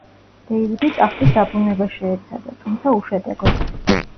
დეივიდი ტახტის დაბრუნებას შეეცადა, თუმცა უშედეგოდ.